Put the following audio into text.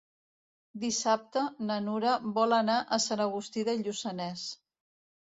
Dissabte na Nura vol anar a Sant Agustí de Lluçanès.